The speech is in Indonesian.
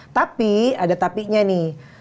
tapi ada tapinya nih